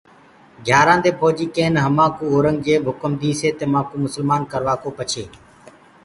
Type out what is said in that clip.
گھيآرآنٚ دي ڦوجيٚ ڪين همآنٚڪو اورنٚگجيب هُڪم ديسي تمآنٚڪو مُسلمآن ڪروآڪو پڇي